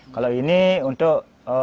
kalau ini untuk